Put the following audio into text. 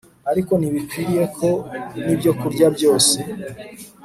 ariko ntibikwiriye ko nibyokurya byose